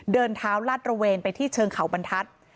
เดินเท้าลาดระเวนไปที่เชิงเขาบรรทัศน์